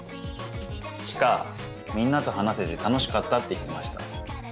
知花みんなと話せて楽しかったって言ってました。